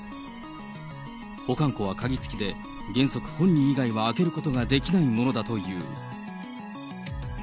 保管庫は鍵付きで、原則本人以外は開けることができないものだという。